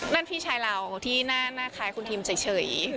พี่ชายเราที่หน้าคล้ายคุณทีมเฉย